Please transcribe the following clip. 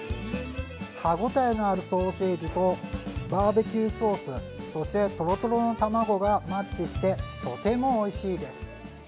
歯応えのあるソーセージとバーベキューソース、そしてトロトロの卵がマッチして、とてもおいしいです。